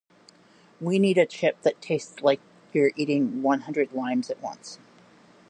We need a chip that tastes like you're eating one hundred limes at once.